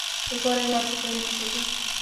ایک اور احتیاط بھی کر لینی چاہیے۔